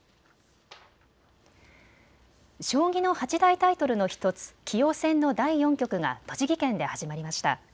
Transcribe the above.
将棋の八大タイトルの１つ棋王戦の第４局が栃木県で始まりました。